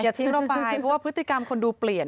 ทิ้งเราไปเพราะว่าพฤติกรรมคนดูเปลี่ยน